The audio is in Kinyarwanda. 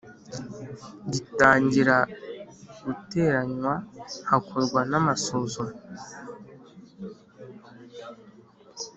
gitangira guteranywa, hakorwa n’amasuzuma